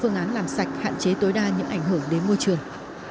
phương án làm sạch hạn chế tối đa những ảnh hưởng đến môi trường